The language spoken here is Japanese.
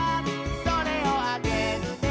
「それをあげるね」